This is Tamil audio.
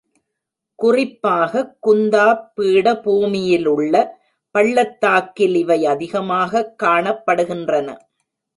குறிப்பாகக் குந்தாப் பீடபூமியிலுள்ள பள்ளத்தாக்கில் இவை அதிகமாகக் காணப்படுகின்றன.